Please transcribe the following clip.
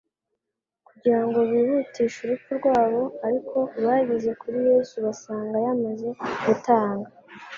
kugira ngo bihutishe urupfu rwabo; ariko bageze kuri Yesu basanga yamaze gutanga.